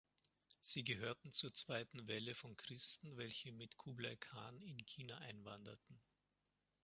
Sie gehörten zur zweiten Welle von Christen, welche mit Kublai Khan in China einwanderten.